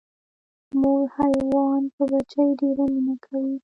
مور حیوان په بچي ډیره مینه کوي